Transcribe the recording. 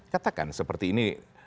katakan seperti ini